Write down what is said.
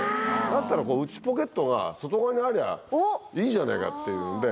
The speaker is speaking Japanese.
だったら、内ポケットが外側にありゃいいじゃないかっていうんで。